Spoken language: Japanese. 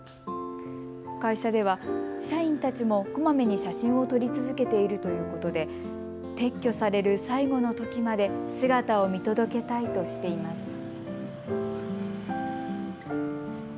会社では社員たちもこまめに写真を撮り続けているということで撤去される最後のときまで姿を見届けたいとしています。